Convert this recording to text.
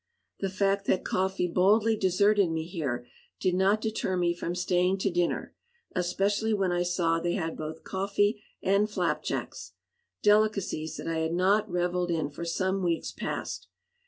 The fact that "Coffee" boldly deserted me here did not deter me from staying to dinner, especially when I saw they had both coffee and flapjacks, delicacies that I had not reveled in for some weeks past.